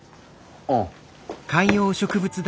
ああ。